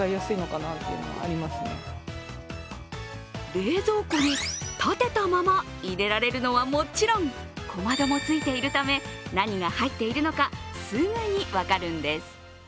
冷蔵庫に立てたまま入れられるのはもちろん小窓もついているため、何が入っているのかすぐに分かるんです。